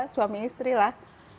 suami istri lah